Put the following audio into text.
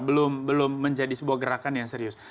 belum menjadi sebuah gerakan yang serius